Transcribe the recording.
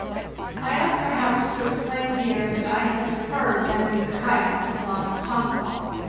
I ought perhaps to explain here that I had deferred mending the kayaks as long as possible.